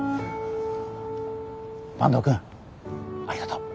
坂東くんありがとう。